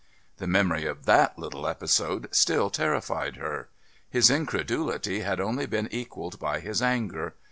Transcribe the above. The memory of that little episode still terrified her. His incredulity had only been equalled by his anger.